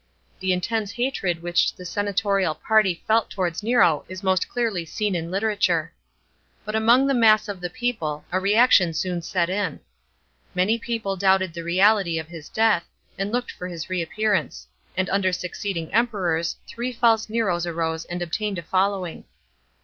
The intense hatred which the senatorial party felt towards Nero is most clearly seen in literature. But among the mass of the people, a reaction soon set in. The tyrant's grave was adorned annually with wreaths of flowers. Many people doubted the reality of his death, and looked for his reappearance ; and under succeeding Emperors three false Neros arose and obtained a following.